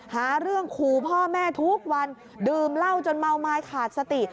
หาเรื่องขู่พ่อแม่ทุกวันดื่มเหล้าจนเมาไม้ขาดสติ